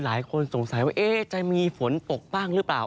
หลายคนสงสัยว่าจะมีฝนตกบ้างหรือเปล่า